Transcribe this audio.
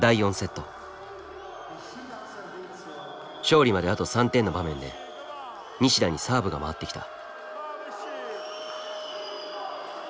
勝利まであと３点の場面で西田にサーブが回ってきた。